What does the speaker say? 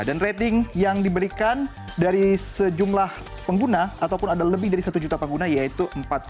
dan rating yang diberikan dari sejumlah pengguna ataupun ada lebih dari satu juta pengguna yaitu empat delapan